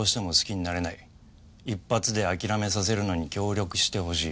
一発で諦めさせるのに協力してほしい。